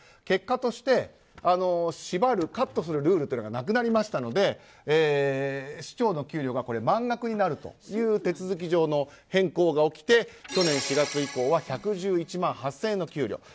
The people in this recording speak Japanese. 結果としてカットするルールがなくなりましたので市長の給料が満額になるという手続き上の変更が起きて去年４月以降は１１１万８０００円の給与。